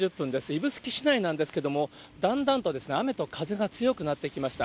指宿市内なんですけれども、だんだんと雨と風が強くなってきました。